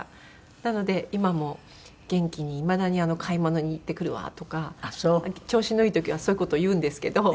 なので今も元気にいまだに「買い物に行ってくるわ」とか調子のいい時はそういう事を言うんですけど。